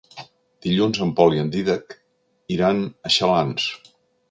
Dilluns en Pol i en Dídac iran a Xalans.